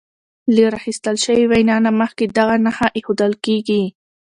له راخیستل شوې وینا نه مخکې دغه نښه ایښودل کیږي.